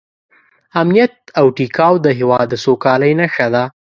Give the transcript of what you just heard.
امنیت او ټیکاو د هېواد د سوکالۍ نښه ده.